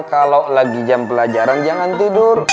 kalau lagi jam pelajaran jangan tidur